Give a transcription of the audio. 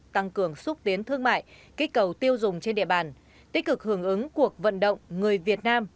tăng cường xúc tiến thương mại kích cầu tiêu dùng trên địa bàn tích cực hưởng ứng cuộc vận động người việt nam